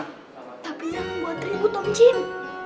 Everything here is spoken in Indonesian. tapi yang buat ribut om jin